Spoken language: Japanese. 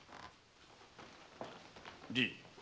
じい。